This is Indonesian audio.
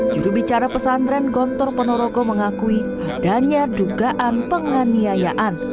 juru bicara pesantren gontor penoroko mengakui adanya dugaan penganiayaan